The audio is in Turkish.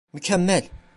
Mükemmel!